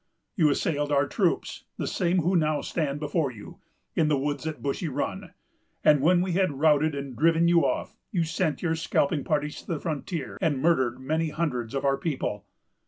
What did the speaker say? You assailed our troops——the same who now stand before you——in the woods at Bushy Run; and, when we had routed and driven you off, you sent your scalping parties to the frontier, and murdered many hundreds of our people.